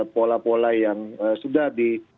pola pola yang sudah di